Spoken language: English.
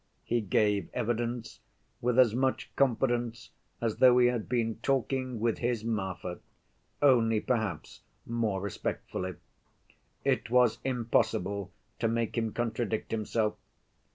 He gave evidence with as much confidence as though he had been talking with his Marfa, only perhaps more respectfully. It was impossible to make him contradict himself.